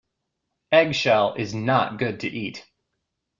Eggshell is not good to eat.